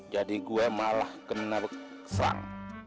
jadi gua malah kena serang